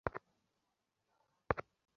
Sir, আমাদের তাকে কোনও না কোনোভাবে বাঁচাতে হবে।